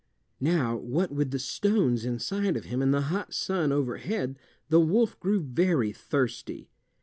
Now what with the stones inside of him and the hot sun overhead the wolf grew very thirsty.